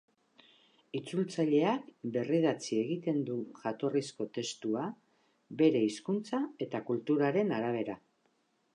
Itzultzaileak berridatzi egiten du jatorrizko testua bere hizkuntza eta kulturaren arabera.